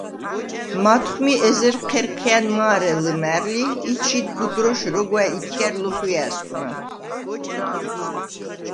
მათხვმი ეზერ ჴერჴია̈ნ მა̄რე ლჷმა̄̈რლი ი ჩიდ გუდროშ როგვა̈ ითქა̈რ ლოხვია̄̈სგვნა.